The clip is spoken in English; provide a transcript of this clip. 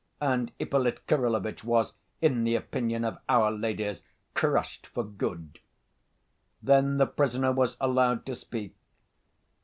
And Ippolit Kirillovitch was, in the opinion of our ladies, "crushed for good." Then the prisoner was allowed to speak.